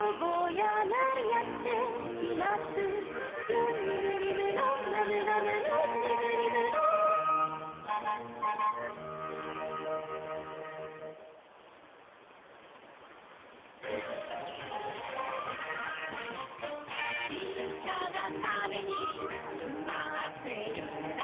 「ロンリムリムロンラムラムロンリムリムロン」「ちっちゃなタネにつまってるんだ」